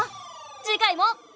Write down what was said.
次回も。